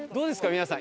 皆さん。